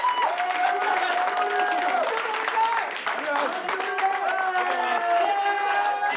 ありがとうございます。